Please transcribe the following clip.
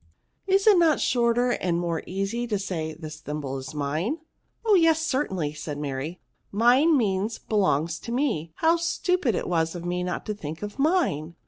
Is it not shorter and more easy to say, this thimble is mine ?"" Oh yes, certainly," said Mary; mine means, belongs to me ; how stupid it was of me not to think of mine